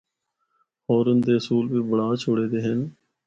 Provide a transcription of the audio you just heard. ہور اُن دے اصول بھی بنڑا چُھڑے دے ہن۔